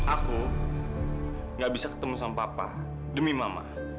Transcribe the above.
aku gak bisa ketemu sama papa demi mama